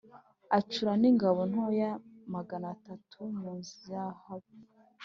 Acura n’ingabo ntoya magana atatu mu izahabu